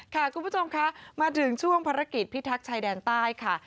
คุณผู้ชมคะมาถึงช่วงภารกิจพิทักษ์ชายแดนใต้ค่ะ